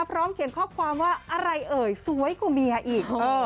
พร้อมเขียนข้อความว่าอะไรเอ่ยสวยกว่าเมียอีก